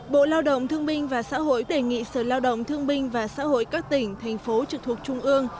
bộ lao động thương minh và xã hội đề nghị sở lao động thương binh và xã hội các tỉnh thành phố trực thuộc trung ương